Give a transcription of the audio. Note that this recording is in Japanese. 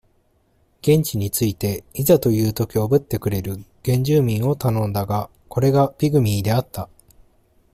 現地に着いて、いざというときおぶってくれる、原住民を頼んだが、これがピグミーであった。